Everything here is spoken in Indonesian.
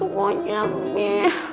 aku mau nyampe